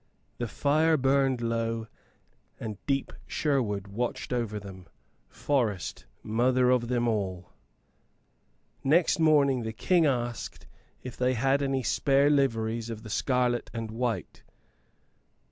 The fire burned low, and deep Sherwood watched over them forest mother of them all. Next morning the King asked if they had any spare liveries of the scarlet and white.